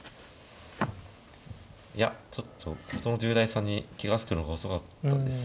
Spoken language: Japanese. いやちょっと事の重大さに気が付くのが遅かったです。